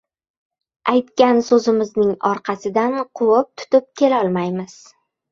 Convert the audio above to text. Aytgan so‘zimizning orqasidan quvib tutib kelolmaymiz.